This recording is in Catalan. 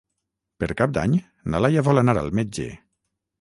Per Cap d'Any na Laia vol anar al metge.